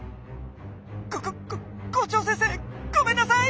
こここ校長先生ごめんなさい！